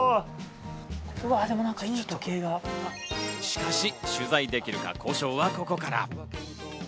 しかし、取材できるか、交渉はここから。